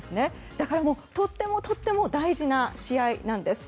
だからとっても大事な試合なんです。